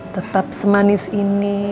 tetap semanis ini